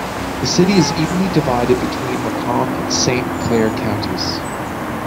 The city is evenly divided between Macomb and Saint Clair counties.